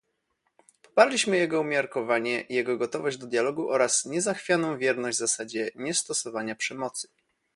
Poparliśmy jego umiarkowanie, jego gotowość do dialogu oraz niezachwianą wierność zasadzie niestosowania przemocy